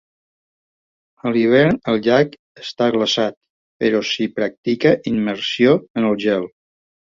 A l'hivern, el llac està glaçat, però s'hi practica immersió en el gel.